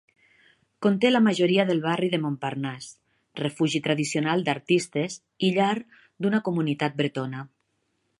Conté la majoria del barri de Montparnasse, refugi tradicional d'artistes i llar d'una comunitat bretona.